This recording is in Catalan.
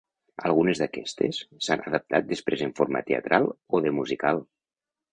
Algunes d'aquestes s'han adaptat després en forma teatral o de musical.